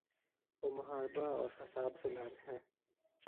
وہ محاربہ اور فساد فی الارض ہے۔